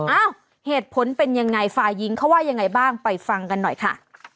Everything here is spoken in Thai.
เอ้าเหตุผลเป็นยังไงฝ่ายหญิงเขาว่ายังไงบ้างไปฟังกันหน่อยค่ะ